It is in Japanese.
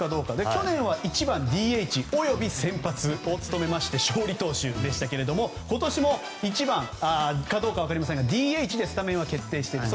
去年は１番ＤＨおよび先発を務めまして勝利投手でしたが、今年も１番かどうかは分かりませんがＤＨでスタメンは決定しています。